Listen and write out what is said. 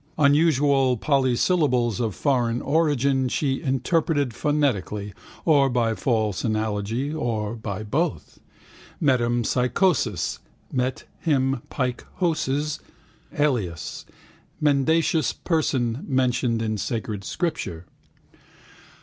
Unusual polysyllables of foreign origin she interpreted phonetically or by false analogy or by both: metempsychosis (met him pike hoses), alias (a mendacious person mentioned in sacred scripture).